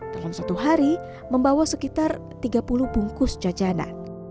dalam satu hari membawa sekitar tiga puluh bungkus jajanan